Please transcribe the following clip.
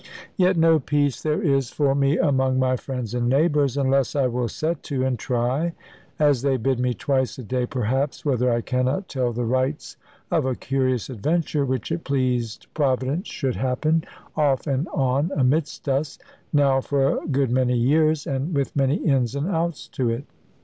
Yet no peace there is for me among my friends and neighbours, unless I will set to and try as they bid me twice a day perhaps whether I cannot tell the rights of a curious adventure which it pleased Providence should happen, off and on, amidst us, now for a good many years, and with many ins and outs to it.